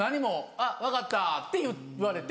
「あっ分かった」って言われて。